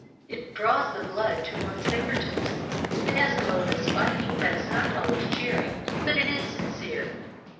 It draws the blood to one's finger tips. It has a mode of spiking that is not always cheering, but it is sincere.